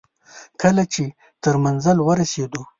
کله چې تر منزل ورسېدو.